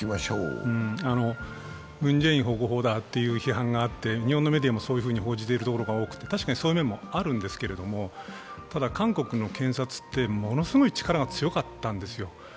文在寅保護法だという批判があって、日本のメディアもそう報じている所が多くて確かにそういう面もあるんですけど、ただ韓国の検察ってものすごい力が強かったんですよ。